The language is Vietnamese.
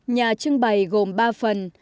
nhà trưng bày gồm ba phần